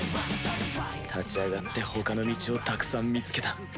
立ち上がって他の道をたくさん見つけた。